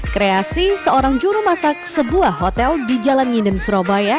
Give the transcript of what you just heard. kreasi seorang juru masak sebuah hotel di jalan nginden surabaya